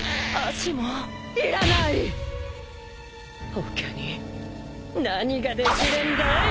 他に何ができるんだい？